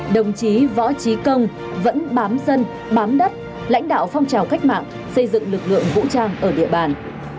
đồng chí võ trí công vẫn bám dân bám đất lãnh đạo phong trào cách mạng xây dựng lực lượng vũ trang ở địa bàn